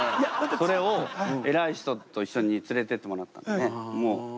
それを偉い人と一緒に連れてってもらった。